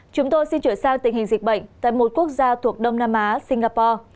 chúng tôi xin chuyển sang tình hình dịch bệnh tại một quốc gia thuộc đông nam á singapore